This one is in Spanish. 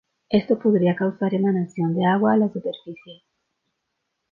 Esto podría causar emanación de agua a la superficie.